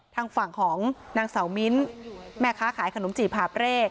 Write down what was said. ทางฝั่งของนางเสามิ้นแม่ค้าขายขนมจีบหาบเร่